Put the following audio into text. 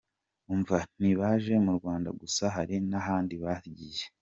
Umva, ntibaje mu Rwanda gusa hari n’ahandi bagiye.